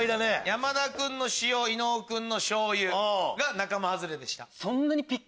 山田君の塩伊野尾君のしょうゆ仲間外れでした。